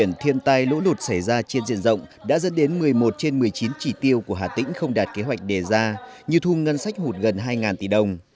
tuy nhiên thiên tai lũ lụt xảy ra trên diện rộng đã dẫn đến một mươi một trên một mươi chín chỉ tiêu của hà tĩnh không đạt kế hoạch đề ra như thu ngân sách hụt gần hai tỷ đồng